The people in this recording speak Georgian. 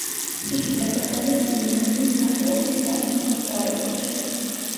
იგი დაკრძალეს წმინდა ლუის სახელობის სამეფო სასწავლებელში.